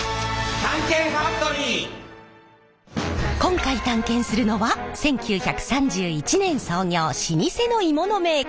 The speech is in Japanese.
今回探検するのは１９３１年創業老舗の鋳物メーカー。